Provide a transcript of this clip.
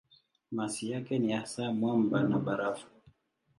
Masi yake ni hasa mwamba na barafu.